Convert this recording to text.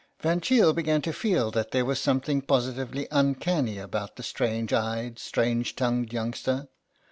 Van Cheele began to feel that there was something positively uncanny about the strange eyed, strange tongued youngster.